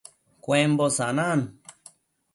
Cuembo sanan